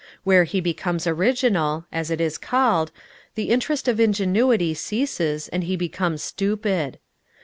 Where he becomes original (as it is called), the interest of ingenuity ceases and he becomes stupid.